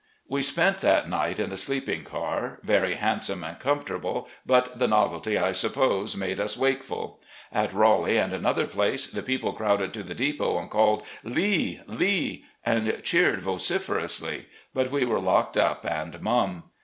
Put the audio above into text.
We spent that night in the sleeping car, very handsome and comfortable, but the novelty, I suppose, made us wakeful. At Raleigh and another place the people crowded to the depot and called ' Lee ! Lee !' and cheered vociferously, but we were locked up and 'mum.